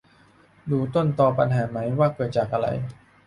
ดูต้นตอปัญหาไหม ว่าเกิดจากอะไร